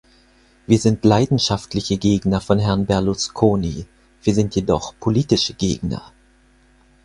Wir sind leidenschaftliche Gegner von Herrn Berlusconi, wir sind jedoch politische Gegner.